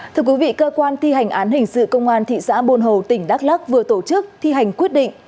thưa quý vị cơ quan thi hành án hình sự công an thị xã buôn hồ tỉnh đắk lắc vừa tổ chức thi hành quyết định